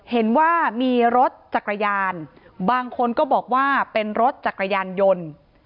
เห็นว่ามีรถจักรยานบางคนก็บอกว่าเป็นรถจักรยานยนต์